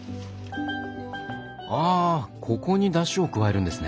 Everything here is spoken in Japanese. あここにだしを加えるんですね。